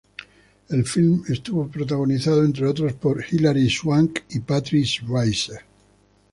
El film estuvo protagonizado, entre otros, por Hilary Swank y Patrick Swayze.